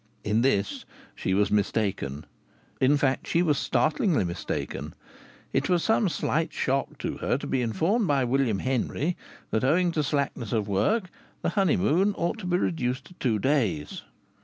In this she was mistaken. In fact, she was startlingly mistaken. It was some slight shock to her to be informed by William Henry that owing to slackness of work the honeymoon ought to be reduced to two days.